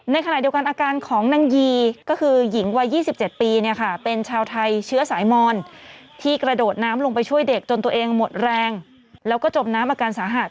ในขณะเดียวกันอาการของนางยีก็คือหญิงวัย๒๗ปีเนี่ยค่ะเป็นชาวไทยเชื้อสายมอนที่กระโดดน้ำลงไปช่วยเด็กจนตัวเองหมดแรงแล้วก็จมน้ำอาการสาหัส